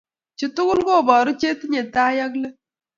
Chu tugul koboru chetinyei tai ak let